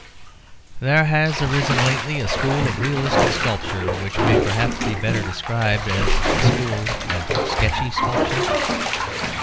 There has arisen lately a school of realistic sculpture, which may perhaps be better described as a school of sketchy sculpture.